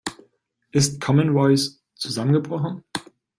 Ist Common Voice zusammengebrochen?